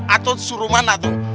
atau suruh mana tuh